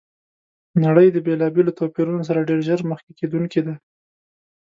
نړۍ د بېلابېلو توپیرونو سره ډېر ژر مخ کېدونکي ده!